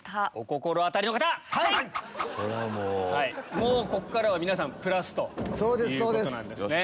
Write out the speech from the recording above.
もうここからは皆さんプラスということなんですね。